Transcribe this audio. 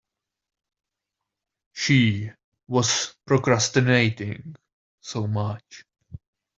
She was procrastinating so much.